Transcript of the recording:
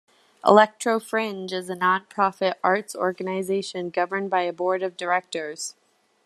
Electrofringe is a nonprofit arts organisation governed by a Board of Directors.